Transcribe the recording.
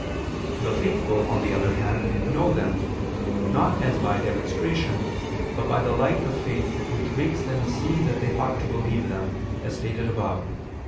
The faithful, on the other hand, know them, not as by demonstration, but by the light of faith which makes them see that they ought to believe them, as stated above (A.